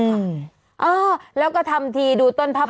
อืมอ่าแล้วก็ทำทีดูต้นป่า